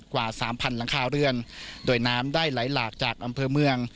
กว่าสามพันหลังคาเรือนโดยน้ำได้ไหลหลากจากอำเภอเมือง